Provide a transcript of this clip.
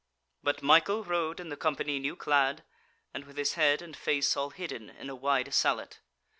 But Michael rode in the company new clad, and with his head and face all hidden in a wide sallet.